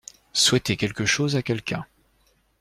Souhaiter quelque chose à quelqu’un.